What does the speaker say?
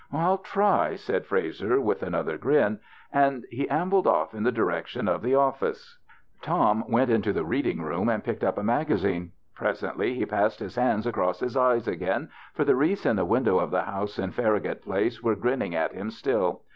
" I'll try," said Frazer, with another grin, and he ambled off in the direction of the of fice. 22 THE BACHELOR'S CHRISTMAS Tom went into tlie reading room and picked up a magazine. Presently he passed his hands across his eyes again, for the wreaths in the windows of the liouse in Far ragut Place were grinning at him still.